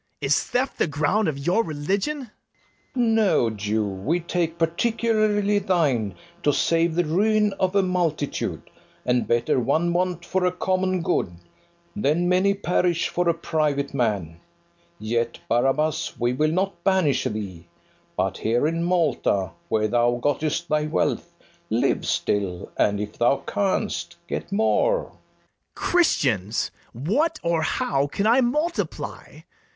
Is theft the ground of your religion? FERNEZE. No, Jew; we take particularly thine, To save the ruin of a multitude: And better one want for a common good, Than many perish for a private man: Yet, Barabas, we will not banish thee, But here in Malta, where thou gott'st thy wealth, Live still; and, if thou canst, get more. BARABAS. Christians, what or how can I multiply?